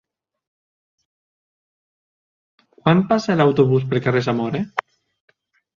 Quan passa l'autobús pel carrer Zamora?